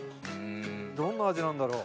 どんな味なんだろう？